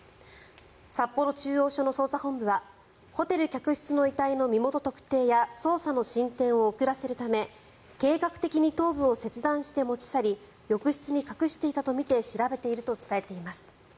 札幌中央署の捜査本部はホテル客室の遺体の身元特定や捜査の進展を遅らせるため計画的に頭部を切断して持ち去り浴室に隠していたとみて調べていると伝えています。